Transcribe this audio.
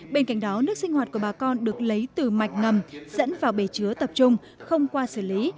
bên cạnh đó nước sinh hoạt của bà con được lấy từ mạch ngầm dẫn vào bể chứa tập trung không qua xử lý